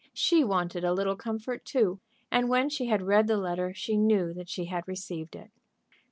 She wanted a little comfort, too, and when she had read the letter she knew that she had received it.